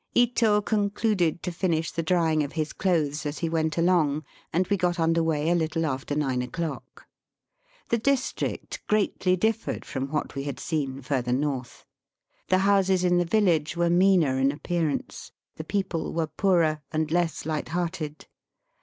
Ito concluded to finish the drying of his clothes as he went along, and we got under way a little after nine o'clock. The district greatly differed from what we had seen farther north. The houses in the village were meaner in appearance ; the people were poorer and less light hearted.